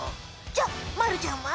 じゃあまるちゃんは？